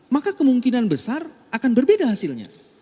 maka kemungkinan besar akan berbeda hasilnya